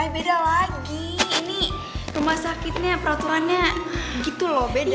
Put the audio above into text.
beda lagi ini rumah sakitnya peraturannya gitu loh beda